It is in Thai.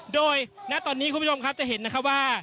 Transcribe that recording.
โดยณตอนนี้คุณผู้ชมครับจะเห็นนะคะว่า